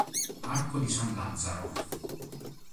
Arco di San Lazzaro